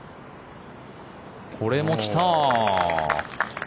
これも来た。